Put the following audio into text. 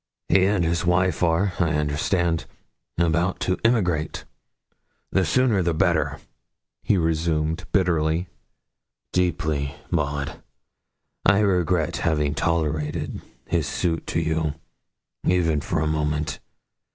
'He and his wife are, I understand, about to emigrate; the sooner the better,' he resumed, bitterly. 'Deeply, Maud, I regret having tolerated his suit to you, even for a moment.